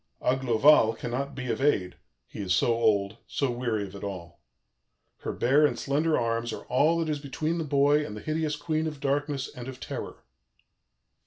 Aglovale cannot be of aid, he is so old, so weary of it all. Her bare and slender arms are all that is between the boy and the hideous Queen of Darkness and of Terror.